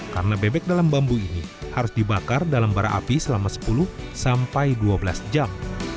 karena bebek dalam bambu ini harus dibakar dalam bara api selama sepuluh sampai dua belas jam